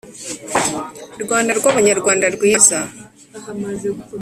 rwanda rw’abanyarwanda rwiza